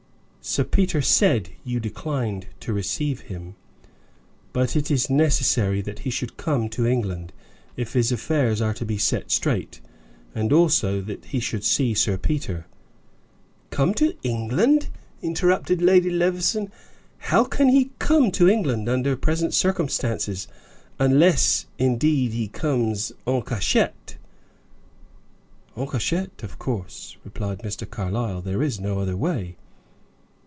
"Sir Peter said you declined to receive him. But it is necessary that he should come to England, if his affairs are to be set straight, and also that he should see Sir Peter." "Come to England!" interrupted Lady Levison. "How can he come to England under present circumstances, unless, indeed, he comes en cachette?" "En cachette, of course," replied Mr. Carlyle. "There is no other way.